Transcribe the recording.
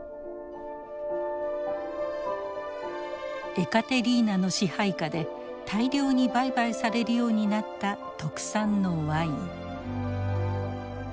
エカテリーナの支配下で大量に売買されるようになった特産のワイン。